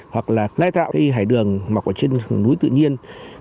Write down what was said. hoặc là lai tạo cái hải đường mặc ở trên núi tự nhiên